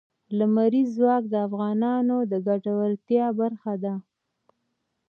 لمریز ځواک د افغانانو د ګټورتیا برخه ده.